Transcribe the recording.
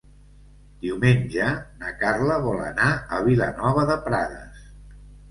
Diumenge na Carla vol anar a Vilanova de Prades.